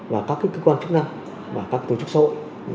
và các cơ quan chức năng và các tổ chức xã hội